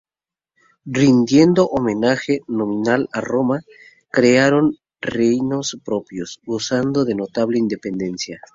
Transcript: Rindiendo homenaje nominal a Roma, crearon reinos propios, gozando de notable independencia.